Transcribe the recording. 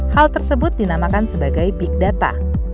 hal tersebut dinamakan sebagai big data